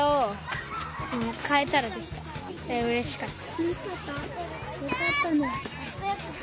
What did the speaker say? うれしかった。